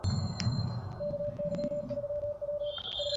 কিন্তু দেশের সার্বিক পরিস্থিতির বিষয় চিন্তা করে আবার মনে হয়েছে এটা ভালোই।